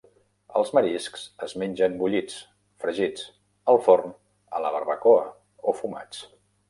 Els mariscs es mengen bullits, fregits, al forn, a la barbacoa o fumats.